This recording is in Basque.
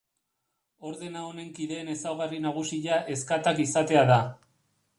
Ordena honen kideen ezaugarri nagusia ezkatak izatea da.